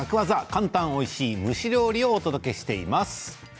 簡単おいしい蒸し料理をお届けしています。